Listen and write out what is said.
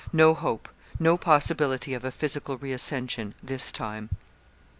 No hope no possibility of a physical reascension, this time.